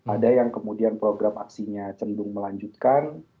ada yang kemudian program aksinya cenderung melanjutkan